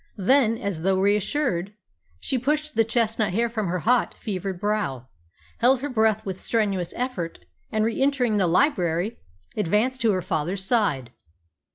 Then, as though reassured, she pushed the chestnut hair from her hot, fevered brow, held her breath with strenuous effort, and, re entering the library, advanced to her father's side.